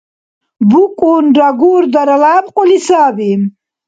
БукӀунра гурдара лябкьули саби.